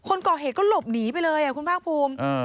คนก่อเหตุก็หลบหนีไปเลยคุณภาคภูมิ